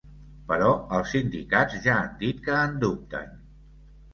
Però els sindicats ja han dit que en dubten.